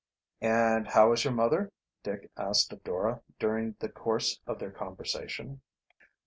"And how is your mother?" Dick asked of Dora, during the course of their conversation.